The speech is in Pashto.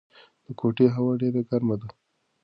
د کوټې هوا ډېره ګرمه ده.